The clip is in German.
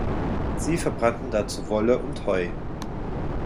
Sie verbrannten dazu Wolle und Heu.